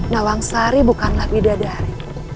nawang sari bukanlah bidadari